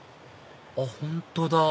あっ本当だ